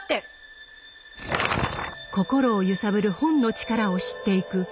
心を揺さぶる本の力を知っていく主人公